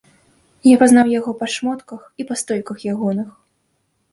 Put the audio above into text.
Я пазнаў яго па шмотках і па стойках ягоных.